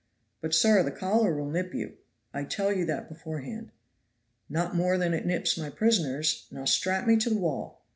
"But, sir, the collar will nip you. I tell you that beforehand." "Not more than it nips my prisoners. Now strap me to the wall.